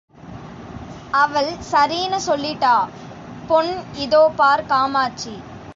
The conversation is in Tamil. அவள் சரீன்னு சொல்லிட்டா...... பொன் இதோ பார் காமாட்சி!